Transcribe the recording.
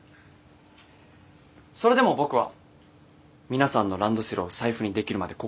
それでも僕は皆さんのランドセルを財布にできるまでここにいます。